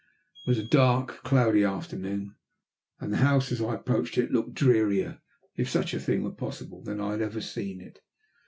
It was a dark, cloudy afternoon, and the house, as I approached it, looked drearier, if such a thing were possible, than I had ever seen it.